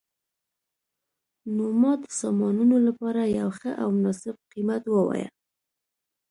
نو ما د سامانونو لپاره یو ښه او مناسب قیمت وواایه